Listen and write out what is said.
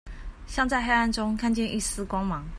像在黑暗中看見一線光芒